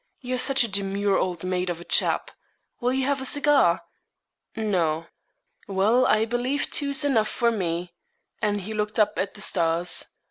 you're such a demure old maid of a chap. Will you have a cigar?' 'No.' 'Well, I believe two's enough for me,' and he looked up at the stars.